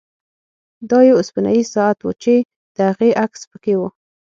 دا یو اوسپنیز ساعت و چې د هغې عکس پکې و